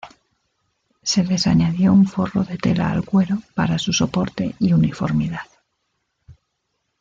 Se les añadió un forro de tela al cuero para su soporte y uniformidad.